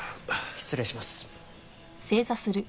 失礼します。